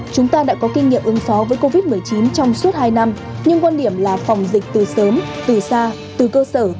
chúng ta đã có kinh nghiệm ứng phó với covid một mươi chín trong suốt hai năm nhưng quan điểm là phòng dịch từ sớm từ xa từ cơ sở